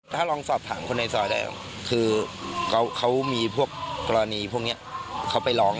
ถ้าลองสอบถามคนในซอยแล้วคือเขามีพวกกรณีพวกนี้เขาไปร้อง